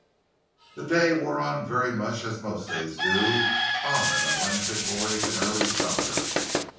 The day wore on very much as most days do on an Atlantic voyage in early summer.